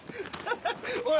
おい